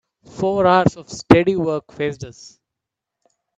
Four hours of steady work faced us.